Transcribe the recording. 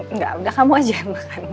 enggak enggak kamu aja yang makan